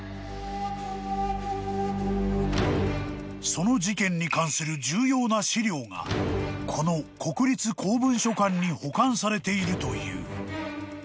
［その事件に関する重要な史料がこの国立公文書館に保管されているという］